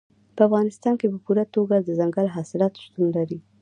په افغانستان کې په پوره توګه دځنګل حاصلات شتون لري.